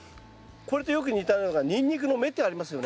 これとよく似たのがニンニクの芽ってありますよね。